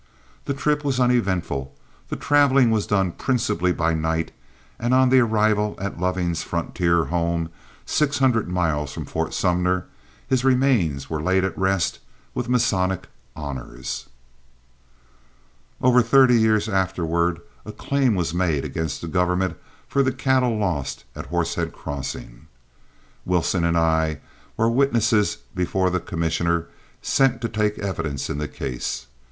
The trip was uneventful, the traveling was done principally by night, and on the arrival at Loving's frontier home, six hundred miles from Fort Sumner, his remains were laid at rest with Masonic honors. Over thirty years afterward a claim was made against the government for the cattle lost at Horsehead Crossing. Wilson and I were witnesses before the commissioner sent to take evidence in the case.